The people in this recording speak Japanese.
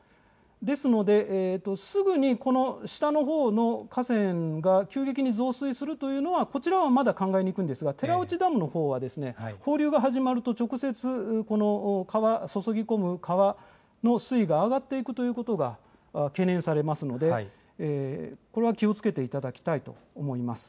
ですので、すぐにこの下のほうの河川が急激に増水するというのは、こちらはまだ考えにくいんですが、寺内ダムのほうは、放流が始まると、直接、この川、注ぎ込む川の水位が上がっていくということが懸念されますので、これは気をつけていただきたいと思います。